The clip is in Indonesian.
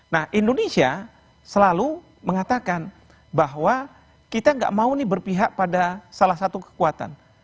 nah indonesia selalu mengatakan bahwa kita gak mau nih berpihak pada salah satu kekuatan